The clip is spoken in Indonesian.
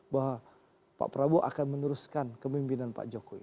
bahwa pak prabowo akan meneruskan kemimpinan pak jokowi